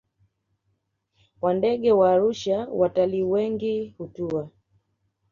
wa ndege wa Arusha Watalii wengi hutua